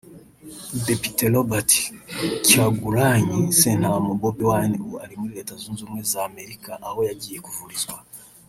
Depite Robert Kyagulanyi Ssentamu [Bobi Wine] ubu ari muri Leta Zunze Ubumwe za Amerika aho yagiye kuvurizwa